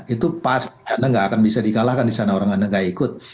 itu pasti anda nggak akan bisa dikalahkan di sana orang anda nggak ikut